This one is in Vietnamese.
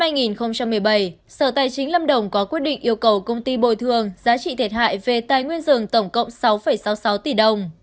năm hai nghìn một mươi bảy sở tài chính lâm đồng có quyết định yêu cầu công ty bồi thường giá trị thiệt hại về tài nguyên rừng tổng cộng sáu sáu mươi sáu tỷ đồng